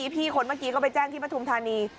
คนเมื่อกี้ก็ไปแจ้งที่ปฐุมธานี